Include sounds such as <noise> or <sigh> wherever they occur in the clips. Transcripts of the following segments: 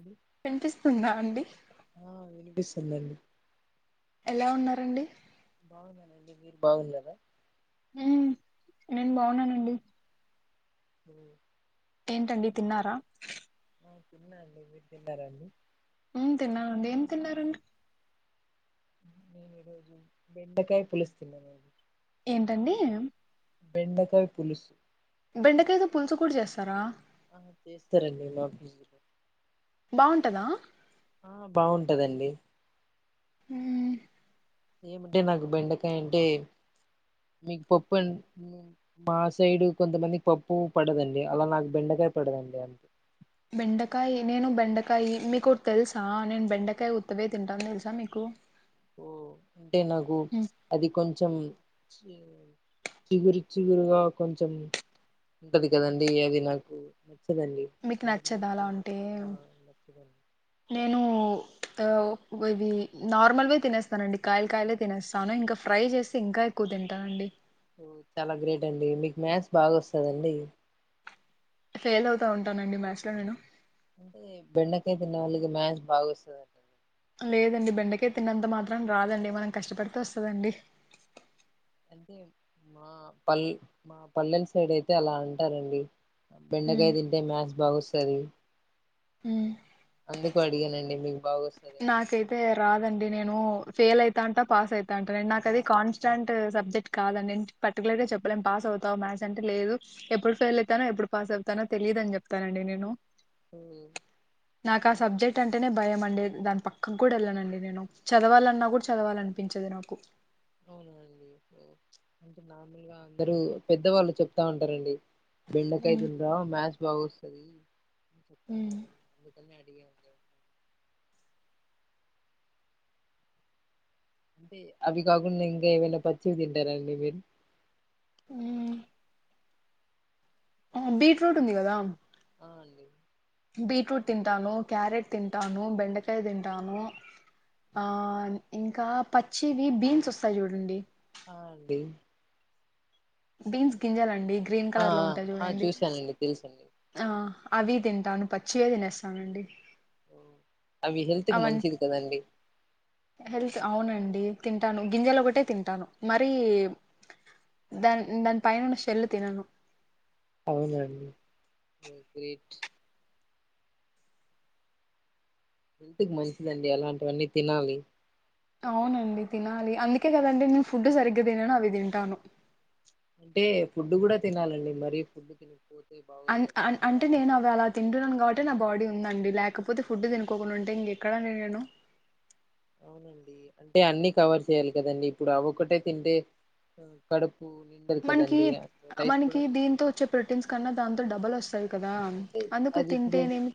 అండి వినిపిస్తుందా అండి తుందండి ఎలా ఉన్నారండి బాగున్ననండి మీరు బాగున్నారా మ్ నేను బాగున్నానండి మ్ ఏంటండీ తిన్నార ఆ తిన్నా అండి మీరు తిన్నార అండి మ్ తిన్నానండి ఏం తిన్నారండి నేను ఈ రోజు బెండకాయ్ పులుసు తిన్ననండి ఏంటండి బెండకాయ పులుసు బెండకాయతో పులుసు కూడా చేస్తారా ఆ చేస్తారండీ మా పీజీలో బాగుంటదా ఆ బాగుంటదండి మ్ ఏమింటే నాకు బెండకాయ అంటే మీకు పప్పు అం మా సైడు కొంతమందికి పప్పు పడదండి అలా నాకు బెండ కయపడదండి అంతే బెండకాయ నేను బెండకాయ మీకు ఒకటి తెలుసా నేను బెండకాయ ఉత్తదే తింటాను తెలుసా మీకు ఓ అంటే నాకు మ్మ్ అది కొంచెం చిగురు చిగురుగా కొంచెం ఉంటది కదండి అది నాకు నచ్చదండి మీకు అందుకు నచ్చద నేను అలా తిన అంటే ఆ నచ్చదండి నేను ఇవి నార్మల్వే తినేస్తానండి కాయలు కాయలే తినేస్తాను ఇంకా ఫ్రై చేస్తే ఇంకా ఎక్కువ వ తింటానండి ఓ చాలా గ్రేట్ అండి మీకు మ్యాథ్స్ బాగా వస్తదండి ఫెయిల్ అవుతా ఉంటానండి మ్యాస్ లో నేను అంటే బెండకాయ తిన్నవాళకి మ్యాస్ బాగా వస్తదండి లేదండి బెండకయ తిన్నంత మాత్రం రాదండి మనం కష్టపడితే వస్తదండి అంటే మా పల్ మా పల్లెలు సైడ్ అయితే అలా అంటారండి హ్మ్. బెండకాయ తింటే మ్యాస్ బాగోస్తది హ్మ్. అందుకు అడిగానండి మీకు బాగోస్ నాకైతే రాదండి నేను ఫెయిల్ అవుతా అంటా పాస్ అవుతా అంటా నేను నాకు అది కాన్స్టెంట్ సబ్జెక్ట్ కాదు నేను పర్టికులర్గా చెప్పలేం పాస్ అవుతావ మ్యాథ్స్ అంటే లేదు ఎప్పుడు ఫెయిల్ అవుతనో ఎప్పుడు పాస్ అవుతానో తెలియదని చెప్తానండి నేను నాకు ఆ అంటే సబ్జెక్ట్ అంటేనే భయం అండి దాని పక్కనకు కూడా వెళ్ళనండి నేను చదవాలన్నా కూడా చదవాలనిపించదు నాకు అవునాండి కొం నార్మల్గా అందరు పెద్దవాళ్ళు చెప్తా ఉంటారండి బెండకాయ హ్మ్. తినురా మ్యాస్ బగోస్తది హ్మ్. <unintelligible> అందుకనే అడిగా అండి అంటే అవి కాకుండా ఇంకా ఏవైనా పచ్చివి తింటార అండి మీరు మ్ ఆ బీట్రూట్ ఉంది కదా ఆ అండి బీట్్రూట్ తింటాను క్యారెట్ తింటాను బెండకాయ తింటాను ఆ ఇంకా పచ్చివి బీన్స్ వస్తాయి చూడండి ఆ అండి బీన్స్ గింజలండి గ్రీన్ ఆ కలర్ లో ఆ ఉంటాయి ఆ చూడండి చూసానండి తెలుసండి ఆ అవి తింటాను పచ్చివే తినేస్తానండి ఓ అవి హెల్త్ కి అవన్నీ మంచిది కదండి హెల్త్ అవునండి తింటాను గింజలు ఒకటే తింటాను మరి దన్ దని పైనున్న చెెల్ తినను అవునండి ఓ గ్రేట్ హెల్త్ కు మంచిదండి అలాంటివన్నీ తినాలి అవునండి తినాలి అందుకే కదండి నేను ఫుడ్ సరిగ్గా తినను అవి తింటాను అంటే ఫుడ్ కూడా తినాలండి మరిీ ఫుడ్ తినకపో అ అంటే నేను అవి అలా తింటన్నాను కాబట్టి నా బాడీ ందండి లేకపోతే ఫుడ్ తినుకోకుండా ఉంటే ఇంకెక్కడండి నేను అవునండి అంటే అన్ని కవర్ చేయాలి కదండి ఇప్పుడు అవి ఒక్కటే తింటే కడు మనకి మనకి కొంచెం దీంతో వచ్చే ప్రోటీన్స్ కన్నా దాంతో డబల్ వస్తాయి కదా అంటే అందుకు అది ఇప్పుడు తింటేనేమి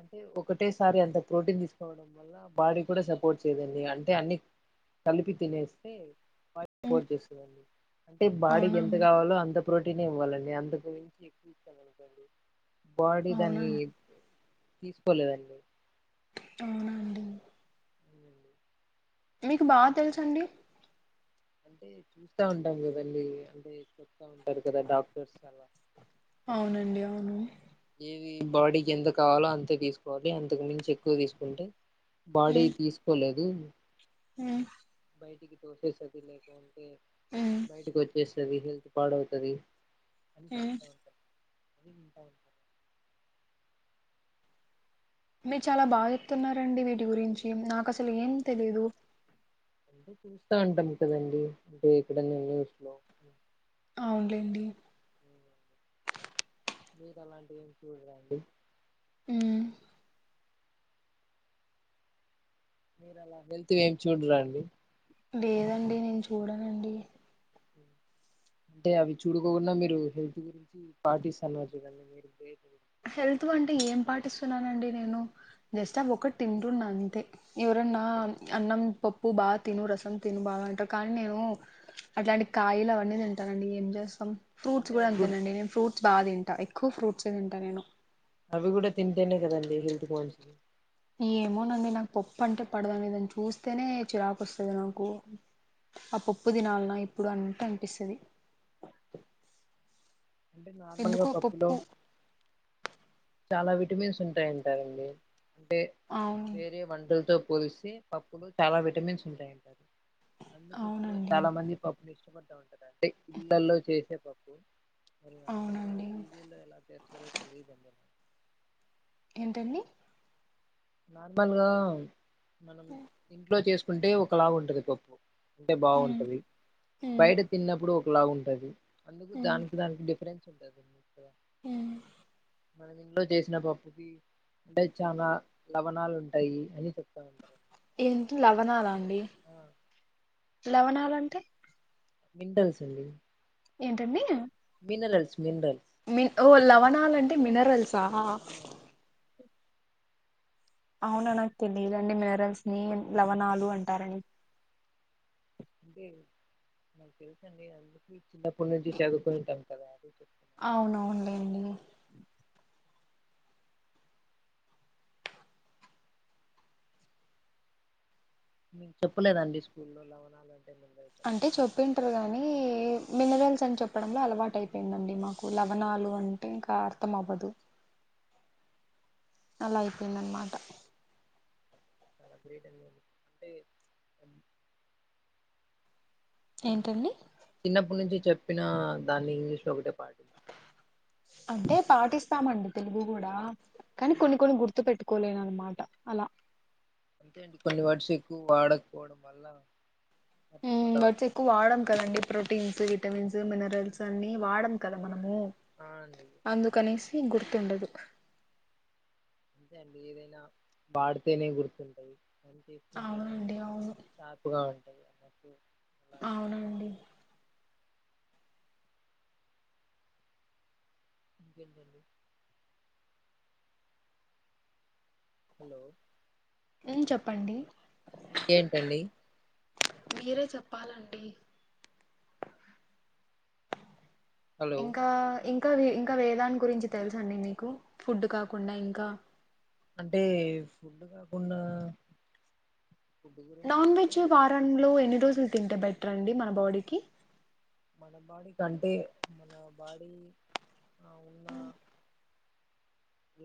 అంటే ఒకటేసారి అంత ప్రోటీన్ తీసుకోవడం వల్ల బాడీ కూడా సపోర్ట్ చేయదండి అంటే అన్ని కలిపి తినేస్తే వా సపోర్ట్ చేస్తాదండి అంటే బాడీకి ఎంత అవునండి కావాలో అంత ప్రోటీనే ఇవ్వాలండి అంతకు మించి ఎక్కువ ఇచ్చమనుకోండి బాడీ దాన్ని అవునండి తీసుకోలేదండి అవున అండి అవునండి. మీకు బాగా తెలుసు అండి అంటే చూస్తా ఉంటాం కదండి అంటే చెప్త ఉంటారు కదా డాక్టర్స్ అలా అవునండి అవును బాడీకి ఎంత కావాలో అంతె తీసుకోవాలి అంతకు మించి ఎక్కువ తీసుకుంటే బాడీ తీసుకోలేదు మ్ బయటికి తోసేస్తది లేకంటే మ్మ్ బయటికి వచ్చేస్తది హెల్త్ పాడవుతది అది మ్మ్ చెప్తా ఉంటారు అది వింటా ఉంటా మీరు చాలా బా చెప్తున్నారండి వీటి గురించి నాకు అసలు ఏం తెలిదు అంటే చూస్తా ఉంటాం కదండి అంటే ఎక్కడనే న్యూస్ లో అవును లేండి మీరు అలాంటివి ఎం చూడరా అండి అ మీరు అలా హెల్త్వి ఎం చూడరా అండి లేదండి నేను చూడనండి అంటే అవి చూడుకోకుండా మీరు హెల్త్ గురించి పాటిస్తన్నారు చుడండి మీరు గ్రేట్ హెల్త్ వంటే ఏం పాటిస్తున్నానండి నేను జస్ట్ అవి ఒకటి తింట్రున్న అంతే ఎవరన్నా అన్నం పప్పు బాగా తిను రసం తిను బా గ అంటర్ కానీ నేను అట్లాంటి కాయలు అవన్నీ తింటానండి ఏం చేస్తాం ఫ్రూట్స్ అంటే కూడా అవి అంతేనండి నేను ఫ్రూట్స్ బాగా తింటా ఎక్కువ ఫ్రూట్స్ే తింటా నేను అవి కూడా తింటేనే కదండి హెల్త్ కి మంచిది ఏమోనండి నాకు పప్పు అంటే పడదండి దాన్ని చూస్తేనే చిరాకు వస్తది నాకు ఆ పప్పు దినాల్న్నా ఇప్పుడు అంతే అనిపిస్తది అంటే నార్మల్గా ఎందుకో పప్పులో పప్పు చాలా విటమిన్స్ ఉంటాయంటారండి అంటే అవును వేరే వంటల్తో పోలిస్తె పప్పులో చాలా విటమిన్స్ ఉంటాయంట అండి అందుకే ఎక్కువ అవునండి చాలా మంది పప్పుని ఇష్టపడ్ ఉంట ఉంటారు అంటే ఇళ్లళ్ళో చేసే పప్పు మరి నార్మల్గ అవునండి పీజీ లో ఎలా చేస్తారో తెలియదండి ఏంటండి నార్మల్గా మనం ఇంట్లో చేసుకుంటే ఒక లాగ ఉంటది పప్పు అంటే ఉమ్ బాగుంటది ఉమ్ బయట తిన్నప్పుడు ఒకలాగుంటది అందుకు దానికి దానికి డిఫరెన్స్ చింతా జ కూడా మ్ మనకు ఇంట్లో చేసిన పప్పుకి అంటే చాన లవణాలు ఉంటాయి అని చెప్తా ఉంటరండి ఏంటి లవణాల అండి లవణాలంటే మింటల్స్ అండి ఏంటండి మినరల్స్ మినరల్స్ ఓ లవణాలంటే మినరల్సా ఆ అండి అవునా నాకు తెలియదండి మినరల్స్ ని లవణాలు అంటారని అంటే నాకు తెలుసండి అందుకే చిన్నప్పటి నుంచి చదువుకుంటాం కదా అది చెప్తున్నా అవునవునులేండి మీకు చెప్పలేదండి స్కూల్లో లెవనాలంటే అంటే చెప్పింటారు గానీ మినరల్స్ అని చెప్పడంలో అలవాటు అయిపోయిందండి మా కు ఓ, లవణాలు అంటే ఇంకా అర్థం అవ్వదు అలా అయిపోయిందన్నమాట చాలగ్రేట్ అండి మీరు అంటే ఏంటండి చిన్నప్పటి నుంచి చెప్పిన దాన్ని ఇంగ్లీష్ లో ఒకటే ప అంటే పాటిస్ స్తామండి తెలుగు కూడా కానీ కొన్ని కొన్ని గుర్తు పెట్టుకోలేమన్నమాట అలా అంతే అండి కొన్ని వడ్స్ ఎక్కువ వాడకపోవడం వల్ల మ్ మర్చిపోతాం వర్డ్స్ ఎక్కువ వాడన్ కదండీ ప్రోటీన్స్ విటమిన్స్ మినరల్స్ అన్ని వాడం కదా మనము ఆ ఆండి డి గుర్తుండదు అంతే అండి ఏదైనా వాడితేనే గుర్తుంటాయి అన్ని తీసుకుంటేనే అవునండి అవును షార్ప్ గా ఉంటాయి అన్నట్లు అవున అండి ఇంకేంటండి హలో మ్ చెప్పండి ఇంకేంటండి మీరే చెప్పాలండి హలో ఇంకా ఇంకా ఇంకా వేదాన్ని గురించి తెలుస అండి మీకు ఫుడ్ కాకుండా ఇంకా అంటే ఫుడ్ కాకుండా ఫుడ్ గురించి నాన్ వెజ్ ఎక్కువ వారంలో ఎన్ని రోజులు తింటే బెటర్ అండి మన బాడీకి మన బాడీకి అంటే మన బాడీ ఉన్న ఎ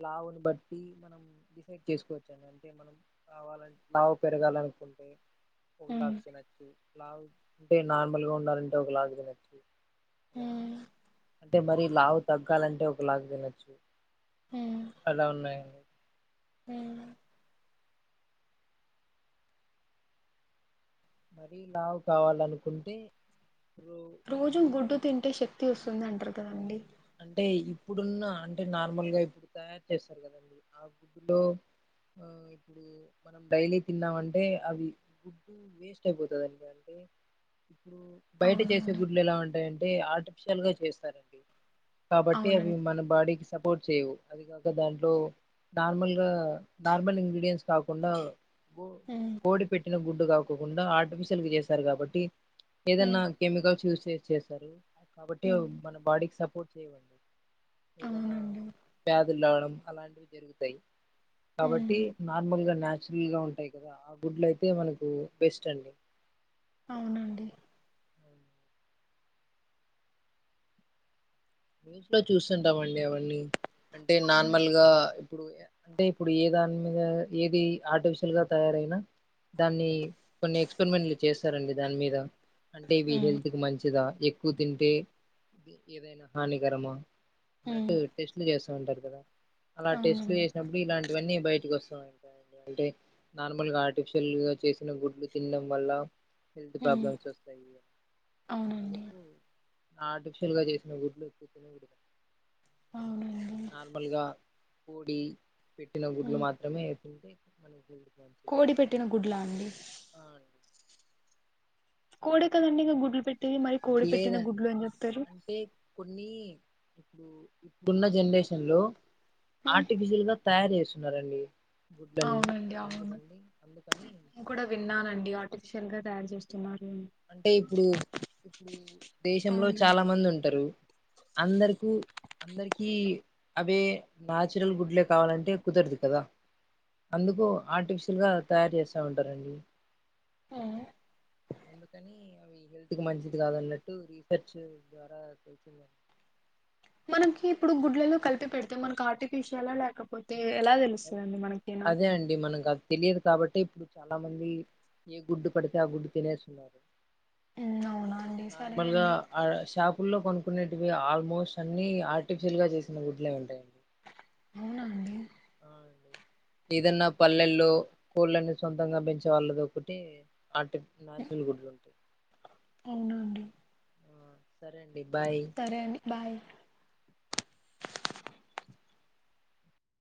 లావును బట్టి మనం డిసైడ్ చేసుకోవచ్చండి అంటే మనం కావాలంటే లావు పెరగాల నుకుంటే ఒకలాగ ఉమ్, తినొచ్చు లావు ప్ అంటే నార్మల్ గా ఉండలేంటే ఒక లాగ తినొచ్చు అలా ఉమ్, అంటే మరి లావు తగ్గాలంటే ఒక లాగ తినొచ్చు అలా ఉన్నాయి అవును మరీ లావు కావాలనుకుంటే ఇప్పుడు రోజు ఈ గుడ్డు తింటే శక్తి వస్తుంది అంటారు కదండి అంటే ఇప్పుడున్న అంటే నార్మల్గా ఇప్పుడు తయారు చేస్తారు కదండి ఆ గుడ్డులో ఆ ఇప్పుడు మనం డైలీ తిన్నామంటే అది గుడ్డు వేస్ట్ అయిపోతదండి అంటే ఇప్పుడు బయట చేసే అవునండి గుడ్లు ఎలా ఉంటాయంటే ఆర్టిఫిషియల్ గా చేస్తారండి కాబట్టి అవి అవునండి మన బాడీకి సపోర్ట్ చేయవు అది కాక దాంట్లో నార్మల్ గా నార్మల్ ఇంగ్రీడియంట్స్ కాకుండా మ్మ్ కోడి పెట్టిన గుడ్డు కాకుండా ఆర్టిఫిషియల్ గా చేస్తారు కాబట్టి ఏదన్నా మ్మ్ కెమికల్స్ యూజ్ చేసి చేస్తారు కాబట్టి మ్మ్ మన బాడీకి సపోర్ట్ చేయ్వండి ఏదన్న అవునండి వ్యాధులు రావడం అలాంటివి జరుగుతాయి కాబట్టి ఉమ్, నార్మల్గా నాచురల్ గా ఉంటాయి కదా ఆ గుడ్లు అయితే మనకు బెస్ట్ అండి అవునండి న్ూస్ లో చూస్తుంటామండి అవన్నీ అంటే నార్మల్ గా ఇప్పుడు అంటే ఇప్పుడు ఏ దాని మీద ఏది ఆర్టిఫిషియల్ గా తయారైనా దాన్ని కొన్ని ఎక్స్పెరిమెంట్లు చేస్తారండి దాని మీద అంటే ఇవి ఉమ్, హెల్త్ కి మంచిదా ఎక్కువ తింటే ఏదైనా హానికరమా ఉమ్, అన్నట్టు టెస్ట్లు చేస్తా ఉంటారు కదా అలా టెస్ట్లు అవునండి చేసినప్పుడు ఇలాంటి ఇవన్నీ బయటకి వస్తా ఉంటాయి అంటే నార్మల్గా ఆర్టిఫిషియల్గా చేసిన గుడ్లు తినడం వల్ల హెల్త్ ఉమ్, ప్రాబ్లమ్స్ వస్తాయి అవునండి అందుకు ఆర్టిఫిషియల్ గా చేసిన గుడ్ డ్లు తిన కూడదు అవునండి నార్మల్గా కోడి పెట్టిన గుడ్లు ఉమ్. మాత్రమే తింటే మనకు కోడి పెట్టిన గుడ్లా అండి ఆ అండి కోడే కదండి ఇంకా గుడ్లు పెట్టేది మరి కోడి పెట్టిన లేదా గుడ్లు అని చెప్తారు అంటే కొన్ని ఇప్పుడు ఇప్పుడున్న జనరేషన్ లో ఉమ్, ఆర్టిఫిషియల్ గా తయారు చేస్ తున్నారండి అవునండి అవును అందుకని నేను కూడా విన్నానండి ఆర్టిఫిషియల్గా తయారు చేస్తున్నారు అని అంటే ఇప్పుడు ఇప్పుడు దేశంలో అవును చాలా మంది ఉంటారు అందరికు అందరికి అవే నాచురల్ గుడ్లే కావాలంటే కుదరదు కదా అందుకు ఆర్టిఫిషియల్ గా తయారు చేస్తా ఉంటారండి ఆ అందుకని అవి హెల్త్ కి మంచిది కాదన్నట్టు రీసెర్చ్ ద్వారా తెలిసింద మనకి ఇప్పుడు గుడ్లలో కలిపి పెడితే మనకి ఆర్టిఫిషియల్ లేకపోతే ఎలా అది తెలుస్తదండి మనకినా అదే అండి మనకు అది తెలియదు కాబట్టే ఇప్పుడు చాలా మంది ఏ గుడ్డు పడితే ఆ గుడ్డు తినేస్తున్నారు ఉమ్, అవునా అండి సరే నార్మల్గా అండి ఆ షాప్ ఫుల్లో కొనుకునేటివి ఆల్మోస్ట్ అన్ని ఆర్టిఫిషిల్గా చేసిన గుడ్లే ఉంటాయం అవునా అండి అవునండి ఏదన్నా పల్లెల్లో కోళ్ళని సొంతంగా పెంచే వాళ్ళది ఒకటి ఆర్టి ఉమ్, నాచురల్ గుడ్లుంటయి అవునా అండి ఆ సరే అండి సరే అండి బాయ్